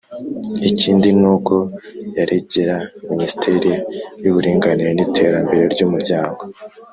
ikindi nuko yaregera minisiteri y’uburinganire n’iterambere ry’umuryango.